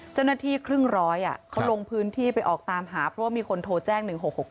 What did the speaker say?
เจ้าหน้าที่ครึ่งร้อยเขาลงพื้นที่ไปออกตามหาเพราะว่ามีคนโทรแจ้ง๑๖๖๙